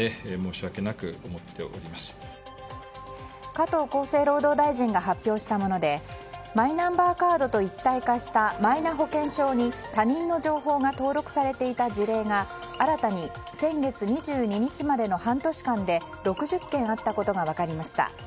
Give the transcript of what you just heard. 加藤厚生労働大臣が発表したものでマイナンバーカードと一体化したマイナ保険証に他人の情報が登録されていた事例が新たに先月２２日までの半年間で６０件あったことが分かりました。